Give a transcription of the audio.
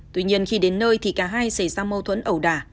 tuy nhiên khi đến nơi thì cả hai xảy ra mâu thuẫn ẩu đả